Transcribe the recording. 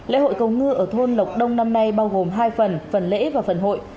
lễ hội cầu ngư ở thôn lộc đông năm nay bao gồm hai phần phần lễ và phần hội